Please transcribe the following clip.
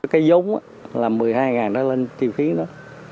cái giống là một mươi hai đó lên chi phí đó